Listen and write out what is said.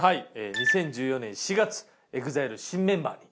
２０１４年４月ＥＸＩＬＥの新メンバーに。